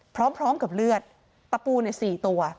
พร้อมกับเลือดตะปู๔ตัว